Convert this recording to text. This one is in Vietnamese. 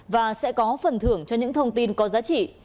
và sẽ có phần thưởng cho những thông tin có giá trị